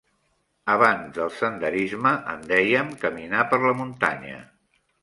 Abans del senderisme en dèiem caminar per la muntanya.